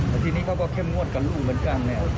แต่ทีนี้เขาก็เข้มงวดกับลูกเหมือนกันเนี่ย